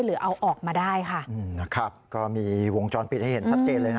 หรือเอาออกมาได้ค่ะอืมนะครับก็มีวงจรปิดให้เห็นชัดเจนเลยนะ